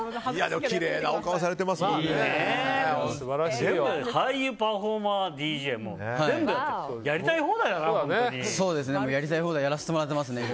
でも、きれいなお顔をされていますね。